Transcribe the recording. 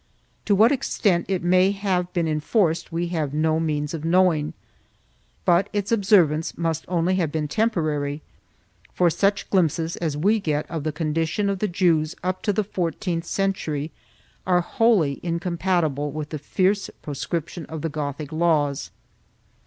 To what extent it may have been enforced we have no means of knowing, but its observance must only have been temporary, for such glimpses as we get of the condition of the Jews up to the fourteenth century are wholly incompatible with the fierce proscription of the Gothic laws.